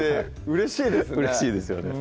うれしいですよね